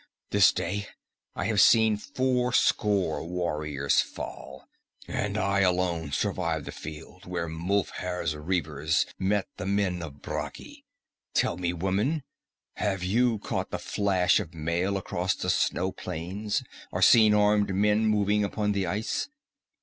This day I have seen four score warriors fall, and I alone survive the field where Mulfhere's reavers met the men of Bragi. Tell me, woman, have you caught the flash of mail across the snow plains, or seen armed men moving upon the ice?"